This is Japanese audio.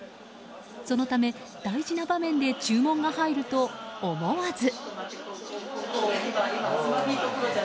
そのため、大事な場面で注文が入ると思わず。